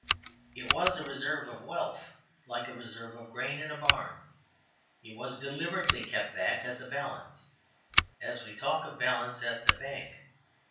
It was a reserve of wealth like a reserve of grain in a barn; it was deliberately kept back as a balance, as we talk of a balance at the bank.